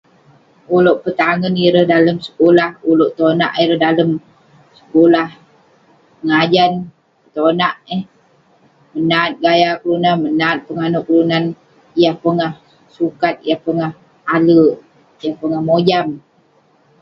Ulouk petangen ireh dalem sekulah, ulouk tonak ireh dalem sekulah. Mengajan, tonak eh, menat gaya kelunan, menat penganouk kelunan, yah pongah sukat, yah pongah ale, yah pongah mojam.